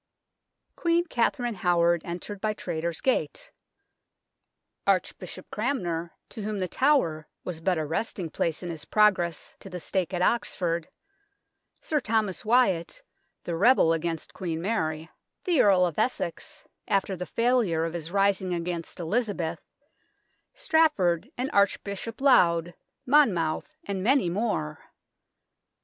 Queen Katharine Howard entered by Traitors' Gate ; Archbishop Cranmer, to whom The Tower was but a resting place in his progress to the stake at Oxford ; Sir Thomas Wyatt, the rebel against Queen Mary ; the Earl of Essex, after the failure of his rising against Elizabeth ; Strafford and Archbishop Laud, Monmouth, and many more.